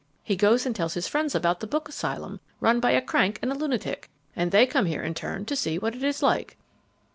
He goes and tells his friends about the book asylum run by a crank and a lunatic, and they come here in turn to see what it is like."